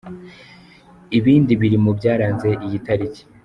Ibindi biri mu byaranze iyi tariki.